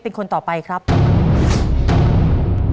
น้องป๋องเลือกเรื่องระยะทางให้พี่เอื้อหนุนขึ้นมาต่อชีวิต